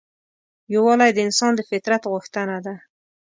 یووالی د انسان د فطرت غوښتنه ده.